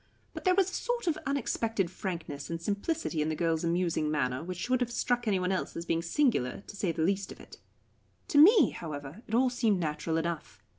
But there was a sort of unexpected frankness and simplicity in the girl's amusing manner which would have struck any one else as being singular, to say the least of it. To me, however, it all seemed natural enough.